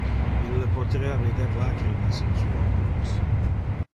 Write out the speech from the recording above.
Ille poterea vider lacrimas in su oculos.